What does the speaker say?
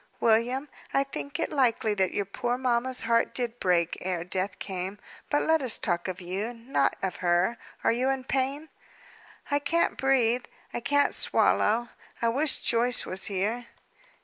"William, I think it likely that your poor mamma's heart did break, ere death came. But let us talk of you, not of her. Are you in pain?" "I can't breathe; I can't swallow. I wish Joyce was here."